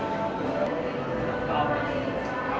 ขอบคุณทุกคนมากครับที่ทุกคนรัก